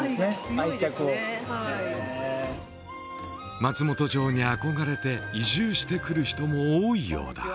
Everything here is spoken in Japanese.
愛着を松本城に憧れて移住してくる人も多いようだ